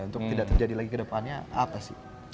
untuk tidak terjadi lagi kedepannya apa sih